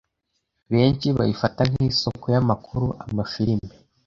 benshi bayifata nk’isoko y’Amakuru, Amafilime,